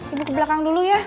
ibu ke belakang dulu ya